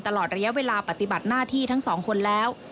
ตลอดระยะเวลาปฏิบัติหน้าที่ทั้งสองคนแล้ว